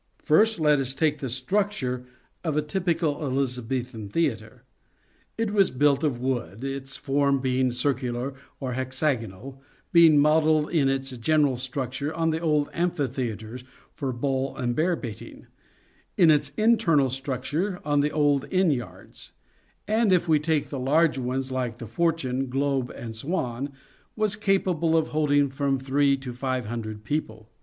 First, let us take the structure of a typical Elizabethan theatre. It was built of wood, its form being circular or hexagonal, being modelled in its general structure on the old amphitheatres for bull and bear baiting ; in its internal structure on 10 SHAKESPEAREAN THEATRES the old inn yards ; and, if we take the large ones like The Fortune, Globe, and Swan, was capable of holding from three to five hundred people.